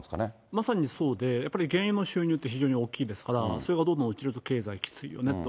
まさにそうで、原油の収入って非常に大きいですから、それがどんどん起きると経済きついよねと。